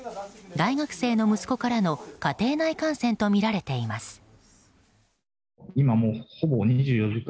大学生の息子からの家庭内感染とみられています。